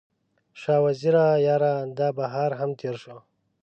شاه وزیره یاره، دا بهار هم تیر شو